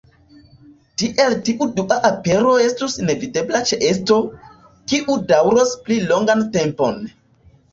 Tiel tiu Dua Apero estus nevidebla ĉeesto, kiu daŭros pli longan tempon.